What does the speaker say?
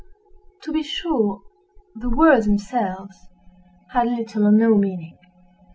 To be sure the words themselves had little or no meaning.